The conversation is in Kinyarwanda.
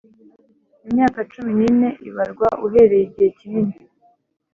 Imyaka cumi n ine ibarwa uhereye igihe kinini